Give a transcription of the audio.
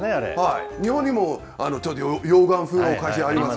日本にも溶岩風のお菓子あります。